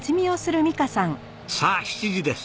さあ７時です。